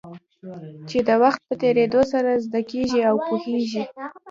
چې د وخت په تېرېدو سره زده کېږي او پوهېږې.